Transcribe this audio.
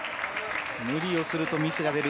無理をするとミスが出る。